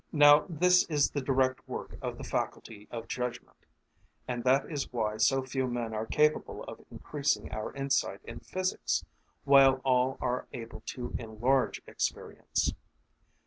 Now this is the direct work of the faculty of judgment, and that is why so few men are capable of increasing our insight in physics, while all are able to enlarge experience.